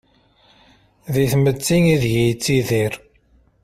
Di tmetti ideg-i yettidir.